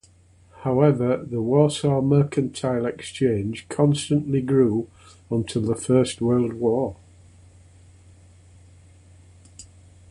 However, the Warsaw Mercantile Exchange constantly grew until the First World War.